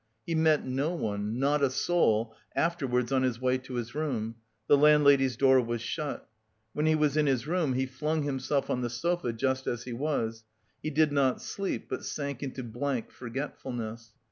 He met no one, not a soul, afterwards on the way to his room; the landlady's door was shut. When he was in his room, he flung himself on the sofa just as he was he did not sleep, but sank into blank forgetfulness.